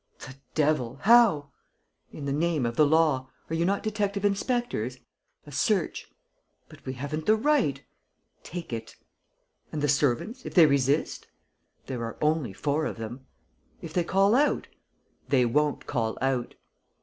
"The devil! How?" "In the name of the law. Are you not detective inspectors? A search. ..." "But we haven't the right. ..." "Take it." "And the servants? If they resist?" "There are only four of them." "If they call out?" "They won't call out."